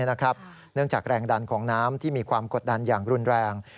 เนื่องจากแรงดันของน้ำที่มีความกดดันอย่างรุนแรง